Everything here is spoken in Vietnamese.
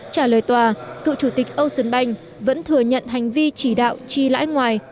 trả lời tòa cựu chủ tịch ocean bank vẫn thừa nhận hành vi chỉ đạo chi lãi ngoài